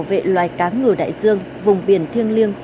hoặc trạng thu tiền